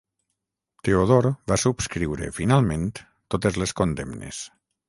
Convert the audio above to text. Teodor va subscriure finalment totes les condemnes.